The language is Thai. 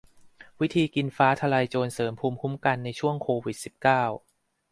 วิธีกินฟ้าทะลายโจรเสริมภูมิคุ้มกันในช่วงโควิด สิบเก้า